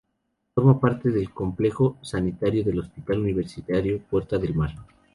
Forma parte del complejo sanitario del Hospital Universitario Puerta del Mar.